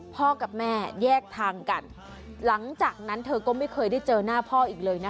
กับแม่แยกทางกันหลังจากนั้นเธอก็ไม่เคยได้เจอหน้าพ่ออีกเลยนะคะ